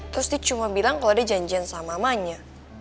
terus dia cuma bilang kalau dia janjian sama mamanya